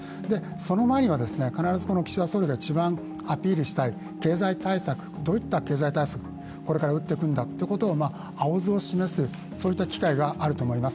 その前には必ず岸田総理が一番アピールしたい経済対策どういった経済対策を示すんだという図を示すそういった機会があると思います。